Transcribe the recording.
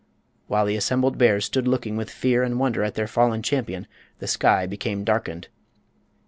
While the assembled bears stood looking with fear and wonder at their fallen champion the sky became darkened.